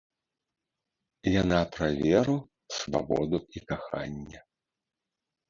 Яна пра веру, свабоду і каханне.